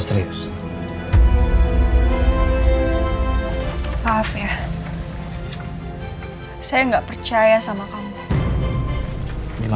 tapi dia tidak percaya sama diriku